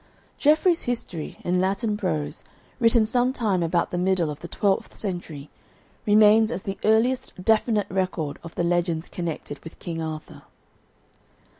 Geoffrey's history, in Latin prose, written some time about the middle of the twelfth century, remains as the earliest definite record of the legends connected with King Arthur.